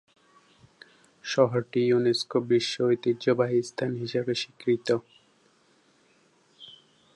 শহরটি ইউনেস্কো বিশ্ব ঐতিহ্যবাহী স্থান হিসেবে স্বীকৃত।